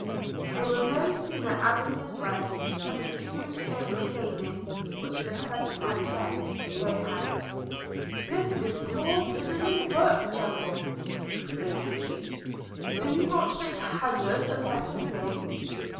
They were no sooner out of his way, than the true spirit of gaming, which their presence had checked, broke out. 'This is poor piddling work, General!' exclaimed he: 'Do you not think hazard a better thing?'